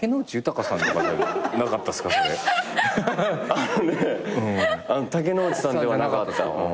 あのね竹野内さんではなかった。